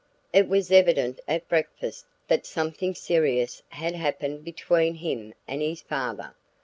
It was evident at breakfast that something serious had happened between him and his father.